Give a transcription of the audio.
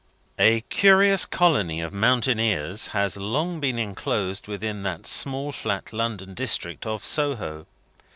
A curious colony of mountaineers has long been enclosed within that small flat London district of Soho.